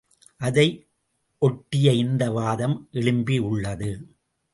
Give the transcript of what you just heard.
அதை ஒட்டியே இந்த வாதம் எழும்பி உள்ளது.